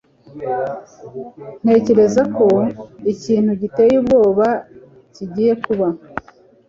Ntekereza ko ikintu giteye ubwoba kigiye kuba.